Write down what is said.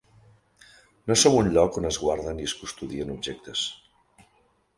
No som un lloc on es guarden i custodien objectes.